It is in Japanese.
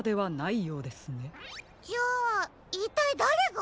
じゃあいったいだれが？